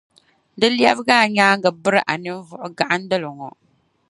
di lɛbi a nyaaŋa biri a ninvuɣu gahindili ŋɔ.